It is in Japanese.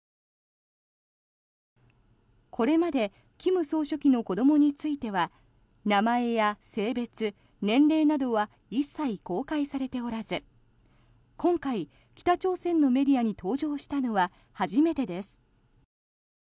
これまで金総書記の子どもについては名前や性別、年齢などは一切公開されておらず今回、北朝鮮のメディアに登場したのは初めてです。